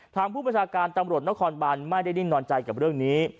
ผู้ประชาการตำรวจนครบันไม่ได้นิ่งนอนใจกับเรื่องนี้